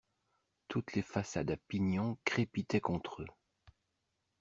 Toutes les façades à pignons crépitaient contre eux.